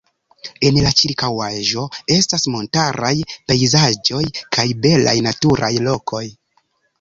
En la ĉirkaŭaĵo estas montaraj pejzaĝoj kaj belaj naturaj lokoj.